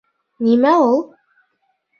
Нимә ул...